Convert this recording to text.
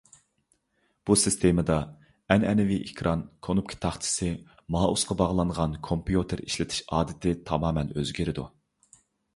بۇ سىستېمىدا ئەنئەنىۋى ئېكران، كونۇپكا تاختىسى، مائۇسقا باغلانغان كومپيۇتېر ئىشلىتىش ئادىتى تامامەن ئۆزگىرىدۇ.